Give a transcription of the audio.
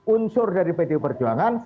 pak heru bukan unsur dari bdu perjuangan